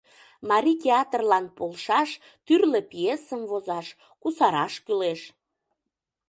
Марий театрлан полшаш тӱрлӧ пьесым возаш, кусараш кӱлеш.